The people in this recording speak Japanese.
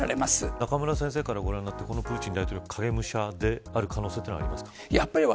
中村先生から見てプーチン大統領、影武者である可能性はありますか。